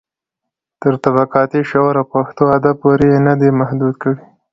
تر طبقاتي شعور او پښتو ادب پورې يې نه دي محدوې کړي.